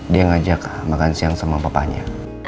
dia ngajak makan siang sama papanya